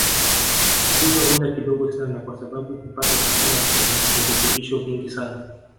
Twiga hula kidogo sana kwa sababu hupata chakula chenye virutubisho vingi sana